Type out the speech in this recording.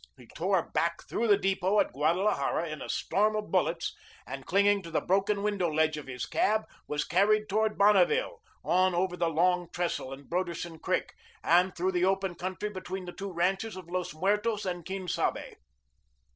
He tore back through the depot at Guadalajara in a storm of bullets, and, clinging to the broken window ledge of his cab, was carried towards Bonneville, on over the Long Trestle and Broderson Creek and through the open country between the two ranches of Los Muertos and Quien Sabe.